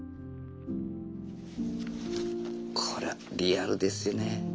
これはリアルですよね。